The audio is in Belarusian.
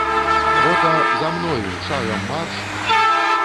Рота, за мною, шагам марш!